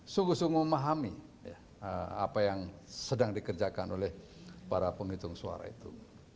sungguh sungguh memahami apa yang sedang dikerjakan oleh para penghitung suara itu